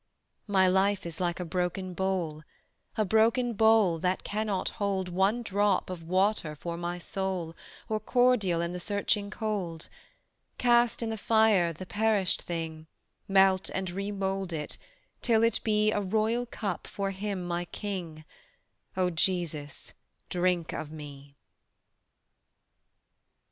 My life is like a broken bowl, A broken bowl that cannot hold One drop of water for my soul Or cordial in the searching cold; Cast in the fire the perished thing, Melt and remould it, till it be A royal cup for Him my King: O Jesus, drink of me!